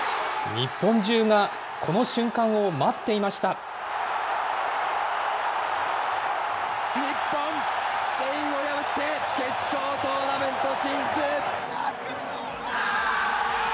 日本中がこの瞬間を待ってい日本、スペインを破って決勝トーナメント進出！